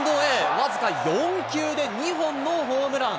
僅か４球で２本のホームラン。